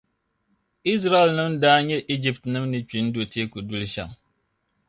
Izraɛlnim’ daa nya Ijiptinim’ ni kpi n-do teeku duli shɛm.